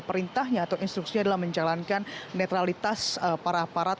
perintahnya atau instruksinya adalah menjalankan netralitas para aparat